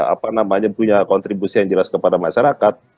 apa namanya punya kontribusi yang jelas kepada masyarakat